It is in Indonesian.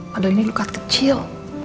padahal ini luka kecil